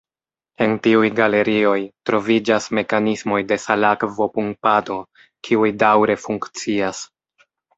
En tiuj galerioj, troviĝas mekanismoj de salakvo-pumpado, kiuj daŭre funkcias.